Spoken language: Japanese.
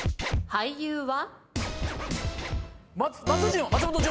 俳優は？